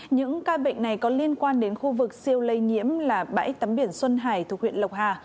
những ca bệnh này có liên quan đến khu vực siêu lây nhiễm là bãi tắm biển xuân hải thuộc huyện lộc hà